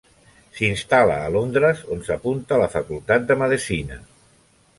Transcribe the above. S'instal·la a Londres on s'apunta a la facultat de medicina.